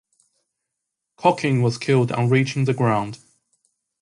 Cocking was killed on reaching the ground.